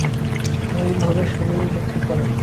অনুরূপভাবে সামিরীও নিক্ষেপ করে।